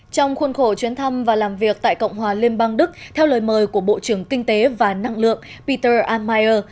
trong khuôn khổ chuyến thăm và làm việc tại cộng hòa liên bang đức theo lời mời của bộ trưởng kinh tế và năng lượng peter armeier